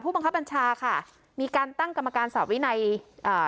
บังคับบัญชาค่ะมีการตั้งกรรมการสอบวินัยอ่า